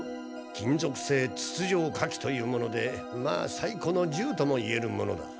金属製筒状火器というものでまあ最古の銃とも言えるものだ。